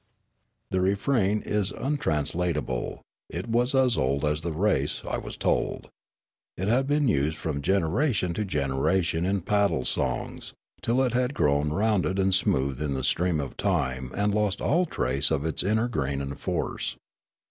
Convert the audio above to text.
The refrain is untranslatable ; it was as old as the race, I was told ; it had been used from generation to generation in paddle songs, till it had grown rounded and smooth in the stream of time and lost all trace of its inner grain and force.